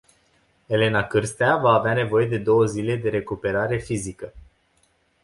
Elena Cârstea va avea nevoie de două zile de recuperare fizică.